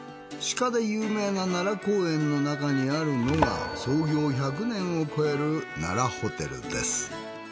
鹿で有名な奈良公園の中にあるのが創業１００年を超える奈良ホテルです。